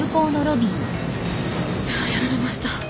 やられました。